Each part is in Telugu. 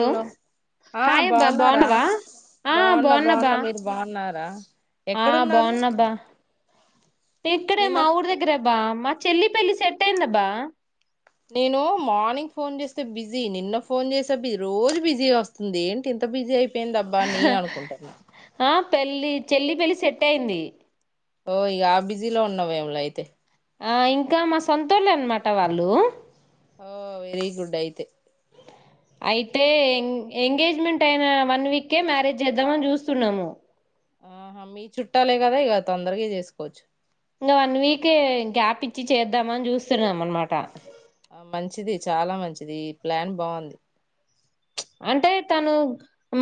హలో ఆ హాయ్ అబ్బా బాగున్నారా బాగున్నావా ఆ బాగున్న బాగున్నాబ్బా బాగున్న మీరు బాగున్ రా ఆ బాగున్న అబ్బా ఇక్కడే నిన్న మా ఊరు దగ్గర అబ్బా మ చెల్లి పెళ్లి సెట్ అయింది అబ్బా నేను మార్నింగ్ ఫోన్ చేస్తే బిజీ నిన్న ఫోన్ చేస్తే బిజీ రోజు బిజీ వస్తుంది ఏంటి ఇంత బిజీ అయిపో ఎందబ్బ నేను అనుకుంటున్నా ఆ పెళ్లి చెల్లి పెళ్లి సెట్ అయింది ఓ ఇగ ఆ బిజీ లో ఉన్నవేంలే అయితే ఆ ఇంకా మా సంతోళ్లు అనమాట వాళ్ళు ఓ వెరీ గుడ్ అయితే అయితే ఎ ఎంగేజ్మెంట్ అయిన వన్ వీకే మ్యారేజ్ చేద్దామని చూస్తున్నాము ఆహా మీ చుట్టాలే కదా ఇక తొందరగా చేసుకోవచ్చు ఇంకా వన్ వీక్ గ్యాప్ ఇచ్చి చేద్దామ అని చూస్తున్నాం అనమాట ఆ మంచిది చాలా మంచిది ఈ ప్లాన్ బాగుంది అంటే తను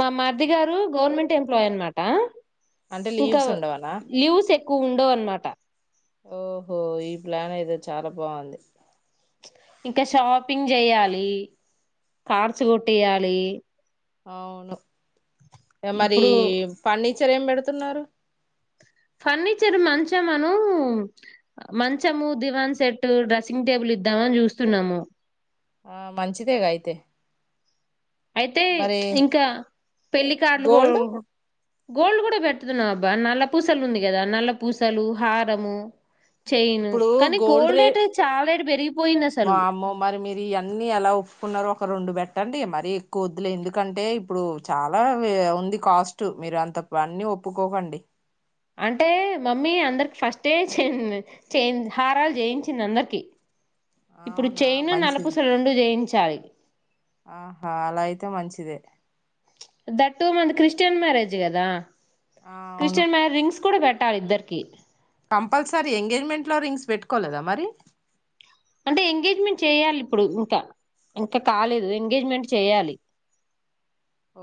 మా మరిది గారు గవర్నమెంట్ ఎంప్లాయ్ అన్నమాట అంటే ఇంకా లీవ్స్ ఉండవనా ల్యూస్ ఎ కు ఉండో అన్నమాట ఓహో ఈ ప్లాన్ అయితే చాలా బాగుంది ఇంకా షాపింగ్ చేయాలి కార్డ్స్ కొట్టేయాలి అవును ఇ మరి ఇప్పుడు పన్న సరేం పెడుతున్నారు ఫర్నిచర్ మంచం అను మంచము దివాన్ సెట్ డ్రెస్సింగ్ టేబుల్ ఇద్దామని చూస్తున్నాము ఆ మంచిదేగా అయితే అయితే మరి ఇంకా పెళ్లికార్డులు గోల్డ్ గోల్డ్ కూడా పెడుటుతున్నాం అబ్బా నల్ల పూసలు ఉంది కదా నల్ల పూసలు హారము చైన్ ఇప్పుడు కానీ గోల్డ్ రే రేట్ చాలా రేట్ పెరిగిపోయింది అసలు వామ్మో మరి మీరు ఇవన్నీ ఎలా ఒప్పుకున్నో ఒక రెండు బెట్ట అండి మరీ ఎక్కువ వద్దులే ఎందుకంటే ఇప్పుడు చాలా ఉంది కాస్ట్ మీరు అంత అన్నీ ఒప్పుకోకండి అంటే మమ్మీ అందరికి ఫస్టే చేయి హారాలు చేయించింది అందరికి ఇప్పుడు అవునా చైను మంచిది నలపుస రెండు జయించాలి ఆహా అలా అయితే మంచిదే that two month Christian marriage కదా ఆ అవును క్రిస్టియన్ మ్యాన్ రింగ్స్ కూడా పెట్టాలి ఇద్దరికి కంపల్సరీ ఎంగేజ్మెంట్ లో రింగ్స్ పెట్టుకోలేదా మరి అంటే ఎంగేజ్మెంట్ చేయాలి ఇప్పుడు ఇంకా ఇంకా కాలేదు ఎంగేజ్మెంట్ చేయాలి ఓ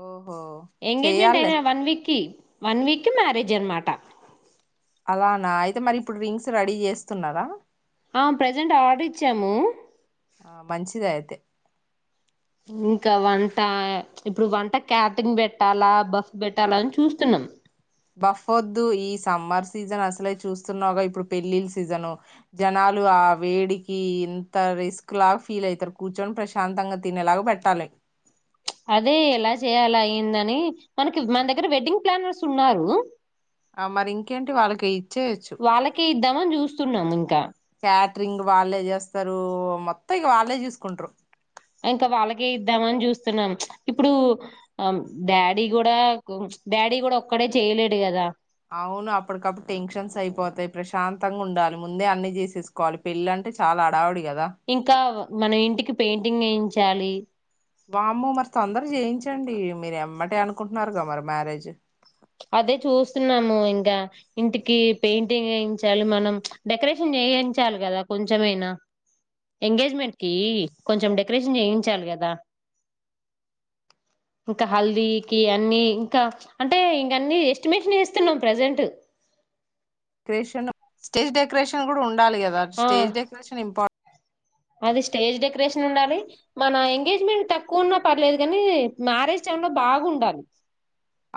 ఎంగేజ్మెంట్ అయినా వన్ వీక్ కి వన్ వీక్ మ్యారేజ్ అనమాటా అలానా అయితే మరి ఇప్పుడు రింగ్స్ రెడీ చేస్తున్నారా ఆ ప్రజెంట్ ఆర్డర్ ఇచ్చాము ఆ మంచేదే అయతే ఇంకా వంట ఇప్పుడు వంట క్యాటంగ్ పెట్టాలా బస్ పెట్టాలా అని చూస్తున్నాం బఫోదు ఈ సమ్మర్ సీజన్ అసలే చూస్తున్నావుగా ఇప్పుడు పెళ్ళిళ్ళ సీజను జనాలు ఆ వేడికి ఇంత రిస్క్ లాగా ఫీల్ అయితారు కూర్చొని ప్రశాంతంగా తినేలాగా పెట్టాలి అదే ఎలా చేయాల అయ్యందని మనకి మన దగ్గర వెడ్డింగ్ ప్లానర్స్ ఉన్నారు ఆ మరి ఇంకేంటి వాళ్ళకి ఇచ్చేయచ్చు అని చూస్తున్నాము ఇంకా క్యాటరింగ్ వాళ్ళే చేస్తారు మొత్తం ఇగ వాళ్ళే చూసుకుంటారు ఇంకా వాళ్ళకే ఇద్దామని చూస్తున్నాం ఇప్పుడు డాడీ కూడా డాడీ కూడా ఒక్కడే చేయలేడు కదా అవును అప్పటికప్పుడు టెన్షన్స్ అయిపోతాయి ప్రశాంతంగా ఉండాలి ముందే అన్ని చేసేసుకోవాలి పెళ్ళి అంటే చాలా అడావిడి ఇంకా మన ఇంటికి పెయింటింగ్ వేయించాలి బమ్మ మరి తొందర చేయించండి మీరు ఎమ్మటి అనుకుంటున్నారు కద మరి మ్యారేజ్ అదే చూస్తున్నాము ఇంకా ఇంటికి పెయింటింగ్ వయించాలి మనం డెకరేషన్ చేయించాలి కదా కొంచెమైనా ఎంగేజ్మెంట్ కి కొంచెం డెకరేషన్ చేయించాలి కదా ఇంకా హల్దీకి అన్ని ఇంకా అ అంటే ఇంక అన్ని ఎస్టిమేషన్ చేస్తున్నాం ప్రజెంట్ కేషన్ స్టేజ్ డకొరేషన్ ఉండాలి ఆ కదాటేజ్ డెకరేషన్ ఇంపార్ట్ అది స్టేజ్ డెకరేషన్ ఉండాలి మన ఎంగేజ్మెంట్ తక్కువ ఉన్నా పర్లేదు కానీ మ్యారేజ్ టైమ్ లో బాగుండాలి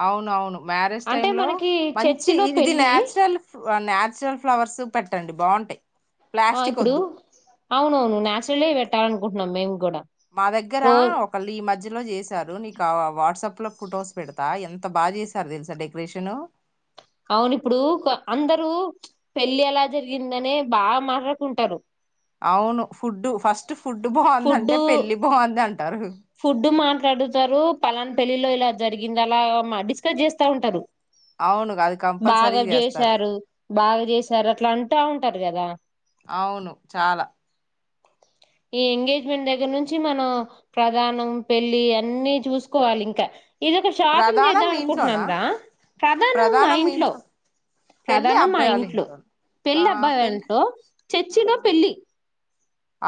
అవును అవును మ్యారేజ్ అంటే టైమ్ లో మనకి మంచి చర్చిలో ఇది పెళ్ళి చురల్ న్చురల్ ఫ్లవర్స్ పెట్ట చట్టండి బాగుంటాయి ఆ ప్లాస్టిక్ ఇప్పుడు వద్దు అవునవును నాచురలే పెట్టాలనుక టునం మేము కూడా మా దగ్గరా రో ఒకళ్ళు ఈ మధ్యలో చేశారు నీకు వాట్సాప్ ల ఫొటోస్ పెడతా ఎంత బాగా చేసారు తెలుసా డెకరేషన్ అవును ఇప్పుడు అందరూ పెళ్లి ఎలా జరిగిందనే బాగా మాట్లాడుకుంటారు అవును ఫుడ్డు ఫస్ట్ ఫుడ్ బాగుంది అంటే పెళ్లి బాగుందింటే ఫుడ్డు మ మాట్లాడుతారు పలానా పెళ్ళిలో ఇలా జరిగింది అలా డిస్కస్ చేస్తా ఉంటారు అవును అది కంపల్సరీ బాగా చేస్తారు చేసారు బాగా చేసారు అట్లా అంటా ఉం టరు గద అవును చాలా ఈ ఎంగేజ్మెంట్ దగ్గర నుంచి మనం ప్రధానం పెళ్ళి అన్నీ చూసుకోవాలి ఇంకా ఇదొక షాపింగ్ ప్రధానం చేద్దాం మీ ఇంట్లోనా అనుకుంటున్నాంరా ప్రధానం మా ఇంట్లో పెళ్ళి ప్రధానం మా అబ్బాయివాళ్ళ ఇంట్లో ఇంట్లోనా ఆ పెళ్లి పెళ్ళి అబ్బాయింట్లో చర్చిలో ఆ పెళ్లి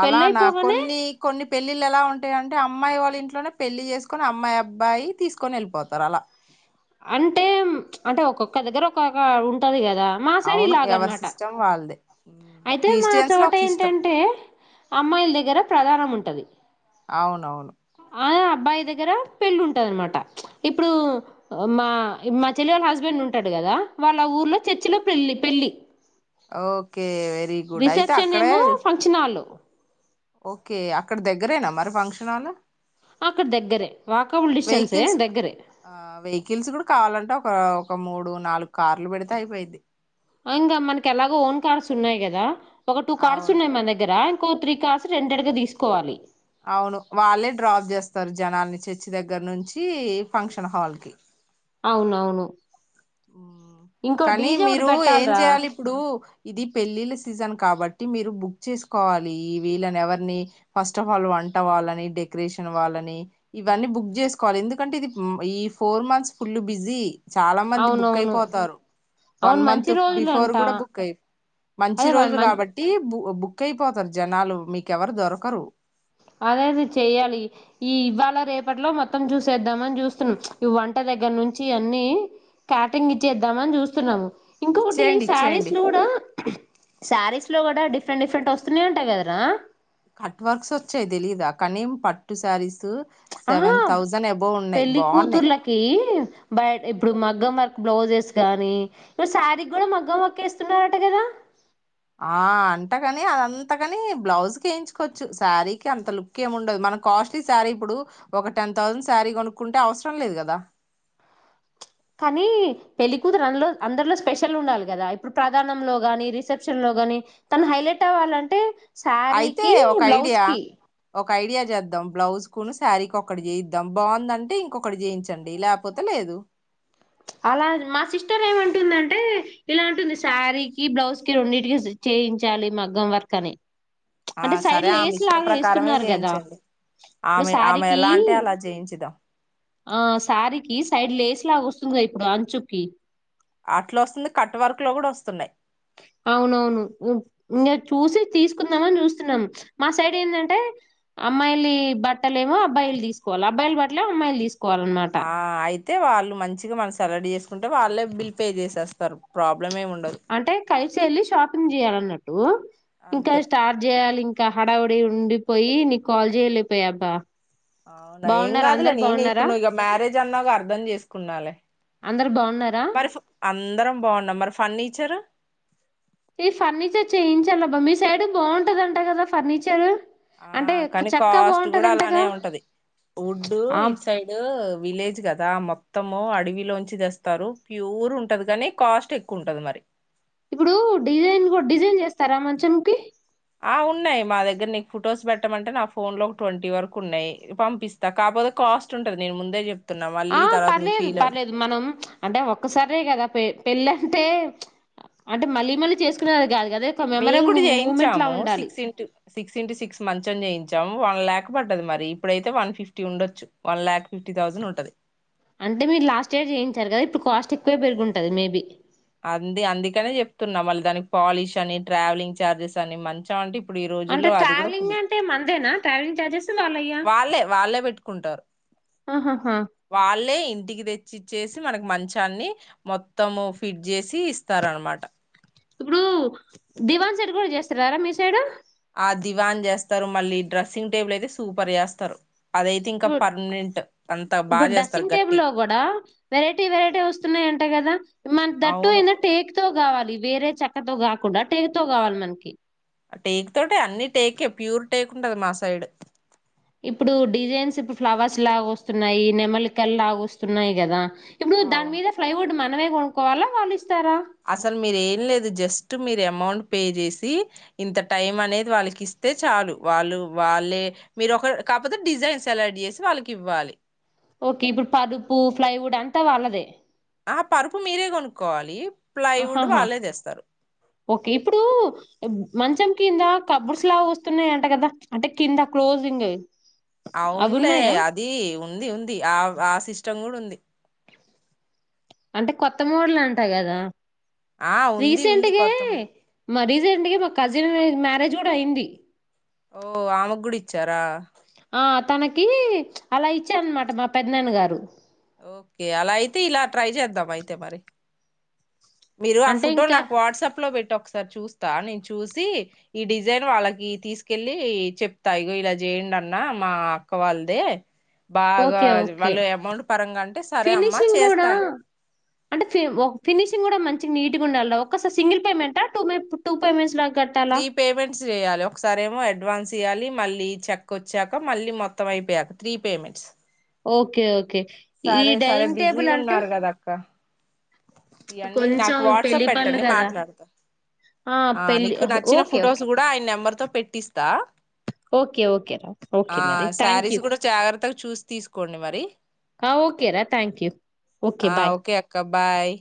పెళ్లి అలానా అయిపోగానే కొన్ని కొన్ని పె పెళ్ళిళ్ళ ఎలా ఉంటాయింటే అమ్మాయి వాళ్ళ ఇంట్లోనే పెళ్లి చేసుకొని అమ్మాయి అబ్బయి తీసుకొని వెళ్ళిపోతారు అలా అంటే ప్చ్ అంటే ఒక్కొక్క దగ్గర ఒక్కొక్క ఉంటది కదా గ మా సైడ్ అవును ఇలాగ ఎవరి అనమాట సిస్టమ్ వాళ్ళదే అయితే మా క్రిస్టియన్స్ లో చోట ఒక సిస్టమ్ ఏంటంటే అమ్మాయిల దగ్గర ప్రధానం ఉం టది అవునవును అ అబ్బాయి దగ్గర పెళ్ళి ఉంటంది అనమాట ప్చ్ ఇప్పుడు మా ఇగ మా చెల్లి వాళ్ళ హస్బెండ్ ఉంటాడు కదా వాళ్ళ ఊర్లో చర్చిలో పెళ్ళి పెళ్ళి ఓకే వెరీ గుడ్ అయితే రిసెప్షన్ అక్కడే ఏమో ఫంక్షనాల్ టవో ఓకే అక్కడ దగ్గరేనా మరి ఫంక్షనాలు అక్కడ దగ్గరే వాకబుల్ డిస్టెన్సే వెహికిల్స్ దగ్గరే ఆ వెహికిల్స్ కూడా కావాలంటే ఒక ఒక మూడు నాలుగు కార్లు పెడితే అయిపోయిది అ ఇంకా మనకి ఎలాగో ఓన్ కార్స్ ఉన్నాయి కదా ఒక టూ కార్స్ అవును ఉన్నయ్ మన దగ్గర కూ త్రీ కార్స్ రెండెడుగా తీసుకోవాలి అవును వాళ్ళే డ్రాప్ చేస్తారు జనాల్ని చర్చి దగ్గర నుంచి ఫంక్షన్ హాల్ కి అవునవును ఊ ఇంకో కానీ డీజే ఒకటి మీరు ఏం పెట్టాలరా చెయాలి ఇప్పుడు ఇది పెళ్ళిళ్ళ సీజన్ కాబ టి మీరు బుక్ చేసుకోవాలి వీళ్లని ఎవర్ని ఫస్ట్ అ ఫల్ వంట వాళ్ళని డెకరేషన్ వాళ్లని ఇవన్నీ బుక్ జేసుకోవాలి ఎందుకంటే ఇది ఈ ఫోర్ మంత్స్ ఫుల్ బిజి చాల బుక్ అవునవును అయిపోతారు వన్ అవును మంచి మంత్ బిఫోర్ రోజులంట కూడా బుక్ అయి మంచి అదే వా రోజు కాబట్టి బు ఒ బుక్ అయిపోతారు జనాలు మీకెవరు దొరకరు అదేది చెయాలి ఈ ఇవాళ రేపట్లో మొత్తం చూసేద్దామని చూస్తున్నాం ఈ వంట దగ్గర నుంచి అన్ని క్యాటింగ్ ఇచ్చేద్దామని చూస్తున్నాము ఇంకొకటి ఇచ్చేయండి శారీస్ ఇచ్చేయండి లో కూడా శారీస్ లో కూడా డిఫరెంట్ డిఫరెంట్ వస్తున్నాయి అంట కదరా కట్ వర్క్స్ వచ్చాయి తెలీద కానీం పట్టు శారీస్ తు ఆహా సెవెన్ థౌసండ్ అబోవ్ ఉన్నాయి పెళ్లి బాగున్నాయి కూతుర్లకి బయ ఇప్పుడు మగ్గం వర్కు బ్లౌజెస్ గానీ ఇప్పుడు శారీ కూడా మగ్గం వరకు వేస్తున్నారట కదా ఆ అంటగాని అదం అంతకని బ్లౌజ్ కేయించుకోవచ్చు శారీకి అంత లుక్ ఏమి ఉండదు మన కాస్ట్లీ శారీ ఇప్పుడు ఒక టెన్ థౌజండ్ శారీ కొనుక్కుంటే అవసరం లేదు కదా కానీ పెళ్ళికతురు అందులో అందరిలో స్పెషల్ ఉండాలి కదా ఇప్పుడు ప్రధానంలో గాని రిసెప్షన్ లో గాని తను హైలైట్ అవ్వాలంటే అయితే సారీకి ఒక ఐడియా బ్లౌజ్కి ఒక ఐడియా చేద్దాం బ్లౌజ్ కుని శారీకి ఒకక్కటి చేయిద్దాం బాగుందంటే ఇంకొకటి చేయించండి లేపోతే లేదు అలా మా సిస్టర్ ఏమంటుందంటే ఇలాంటుంది శారీకి బ్లౌజ్ కి రెండింటికి చేయించాలి మగ్గం వర్క్ అని ఆ అంటే సైడ్ సరే ఆమె లేస్ ఇష్ట లాగా ప్రకారమే వేస్తున్నారు కదా చేయించండి ఇప్పుడు ఆమె ఆమె శారీకి ఎలా అంటే అలా చేయించుదాం ఆ శారీకి సైడ్ లేస్ లాగోస్ స్తుంది గా ఇప్పుడు అంచుకి అట్లవస్తుంది కట్టు వరకు లో కూడా వస్తున్నాయి అవునవును ఇంగ చూసి తీసుకుందామని చూస్తున్నాము మా సైడ్ ఏందంటే అమ్మాయిలు బట్టలేమో అబ్బాయిలు తీసుకోవాలి అబ్బాయిలు బట్టలే అమ్మాయిలు తీసుకోవాలి కోవాలన్నమాట ఆ అయితే వాళ్ళు మంచిగా మనం సలాడ్ చేసుకుంటే వాళ్ళే బిల్ పే చేసేస్తారు ప్రాబ్ ప్రబ్లమే ఉండదు చె ఎల్లి షాపింగ్ చేయాలన్నట్టు ఇంకా అంతే స్టార్ట్ చేయాలి ఇం ఇకా హడా ఒడి ఉండిపోయి నీకు కాల్ చేయలేపోయ అబ్బా అవునా ఏం కాదులే నేనే ఇప్పుడు నువ్ ఇక మ్యారేజ్ అన్నావ్ గా అర్ధం చేసుకున్నాలే అందరు బావున్నారా? మరి ఇప్పుడు అందరం బాగున్నాం మరి ఫర్నిచర్ ఈ ఫర్నిచర్ చేయించాలబ్బా మీ సైడ్ బాగుంటదంట కదా ఫర్నిచరు ఆ అంటే కానీ చెక్క కాస్ట్ కూడా బావుంటదంటగా. అలానే ఉంటది వుడ్డు ఆ ఇట్ సైడ్ విలేజ్ కదా కదా మొత్తము అడవిలోంచి తెస్తారు ప్యూర్ ఉంటది గని కాస్ట్ ఎక్కువ ఉంటది మరి ఇప్పుడు డిజైన్ కు డిజైన్ చేస్తారా మంచకి ఆ ఉన్నాయి మా దగ్గర నీకు ఫొటోస్ పెట్టమంటే నా ఫోన్లో ఒక ట్వంటీ వరకు ఉన్నాయి పంపిస్తా కాకపోతే కాస్ట్ ఉంటుంది నేను ముందే చెప్ ఆ పర్లేదు పర్లేదు మనం అంటే ఒక్కసరే కదా పే పెళ్ళంటే అంటే మళ్ళీ మళ్ళీ చేసుకున్నా మేం కూడా చేయించాము ఉండాలి six into six into six మంచం చేయించాము వన్ లాక్ పడ్డది మరి ఇప్పుడైతే వన్ ఫిఫ్టీ ఉండొచ్చు వన్ ల్యాక్ ఫిఫ్టీ థౌజండ్ ఉంటది అంటే మీరు లాస్ట్ ఇయర్ చేయించారు కదా ఇప్పుడు కాస్ట్ ఎక్కువే పెరుగుంటుంది మేబీ అంది అందుకనే చెప్తున్నాం మళ్ళీ దానికి పాలిష్ అని ట్రావెలింగ్ ఛార్జెస్ అని మంచం అంటిప్పుడు అంటే ట్రావెలింగ్ అంటే మందేనా ట్రావెలింగ్ చార్జెస్ వాళ్ళ వాళ్ళే వాళ్ళే పెట్టుకుంటారు ఆహాహా వాళ్ళే ఇంటికి తెచ్చిచ్చేసి మనకి మంచాన్ని మొత్తము ఫిట్ చేసి ఇస్తార అనమాట ఇప్పుడు దివాన్ సెట్ కూడా చేస్తారారా మీ సైడ్ ఆ దివాని చేస్తారు మళ్ళీ డ్రెస్సింగ్ టేబుల్ అయితే సూపర్ చేస్తారు అదైతే ఇంకా ఇప్పు పర్మనెంట్ అంత ఇప్పుడు బాగా చేస్తారు డ్రెస్సింగ్ టేబుల్ గట్టి లో కూడా వెరైటీ వెరైటీ వస్తున్నాయి అంటే కదా మన ద ట్టు అవును ఏందంటే టేక్ తో కావాలి ది వేరే చక్కతో కాకుండా టేకు తో కావాలి మనకి టేక్ తోటి అన్ని టేకే ప్యూర్ టేక్ ఉంటదు మా సైడ్ ఇప్పుడు డిజైన్స్ ఇప్పుడు ఫ్లవర్స్ లాగా వస్తున్నాయి నెమలికలు లాగా వస్తున్నాయి కదా ఇప్పుడు దాని అవును మీద ఫ్లైవుడ్ మన మనమే కొనుక్కోవాల వాళ్ళు ఇస్ అసలు మీరు ఏం లేదు జస్ ట్ మీరు అమౌంట్ పే చేసి ఇంత టైం అనేది వాళ్ళకి ఇస్తే చాలు. వాళ్ళు వాళ్ళే మీరు ఒక కాకపోతే డిజైన్ సెలెక్ట్ చేసి వాళ్ళకి ఇవ్వాలి. ఓకే ఇప్పుడు పదుపు ఫ్లైవుడ్ అంతా వాళ్ళదే. ఆ పరుపు మీరే కొనుక్కోవాలి. ప్లైవుడ్ హాహా వాళ్ళే తెస్తారు ఓకే ఇప్పుడు మంచం కింద కబొడ్స్ లా వస్తున్నాయంట కదా అంటే కింద క్లోజింగ్. అవి అవునులే ఉన్నాయా అది ఉంది ఉంది ఆ సిస్టమ్ కూడా ఉంది. అంటే కొత్త మోడల్ అంటా కదా. ఆ ఉంది ఉంది రీసెంట్గే కొత్తమో మా రీసెంట్ గే మా కజిన్ మ్యారేజ్ కూడా అయింది. ఓ ఆమ గూడ ఇచ్చారా ఆ తనకి అలా ఇచ్చారు అన్నమాట మా పెద్దనాన్న గారు. ఓకే అలా అయితే ఇలా ట్రై చేద్దాం అయితే మరి. మీరు ఆ అంటే ఫోటో ఇంకా నాకు వాట్సాప్ లో పెట్ టు ఒక్కసారి చూస్తా నేను చూసి ఈ డిజైన్ వాళ్ళకి తీసుకెళ్లి చెప్తా ఇగో ఇలా చేయండి అన్న మా అక్క వాళ్ళదే బాగా ఓకే ఓకే వాళ్ళు అమౌంట్ పరంగాంటే సరే అమ్మా ఫినిషింగ్ గూడా చేస్తా అంటే ఫినిషింగ్ కూడా మంచి నీట్గా ఉండాలి. ఒకసారి సింగిల్ పేమెంటా టూ టూ పేమెంట్స్ లా త్రీ పేమెంట్స్ చేయాలి. ఒకసారేమో అడ్వాన్స్ తీయాలి, మళ్ళీ చెక్క వచ్చాక, మళ్ళీ మొత్తం అయిపోయాక త్రీ పేమెంట్స్. ఓకే ఓకే ఈ సరే సరే డైనింగ్ టేబుల్ బిజీగా అంటే ఉన్నారు కదా అక్క ఇయన్నీ కొంచెం నాకు వాట్సాప్ పెళ్లి పనులు పెట్టండి గదా! మాట్లాడతాను. ఆ పెళ్లి నీకు అహా! నచ్చిన ఓకే. Photos okay. కూడా ఆయన నెంబర్ తో పెట్టిస్తా ఓకే ఓకే ఓకే ఆ మరి శారీస్ థాంక్యూ కూడా జాగ్రత్తగా చూసి తీసుకోండి మరి ఓకే రా థ్యాంక్ యూ ఓకే ఆ బాయ్ అక్క బాయ్